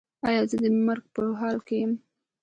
ایا زه د مرګ په حال کې یم؟